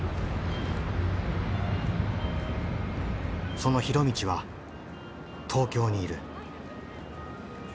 その大倫は東京にいる。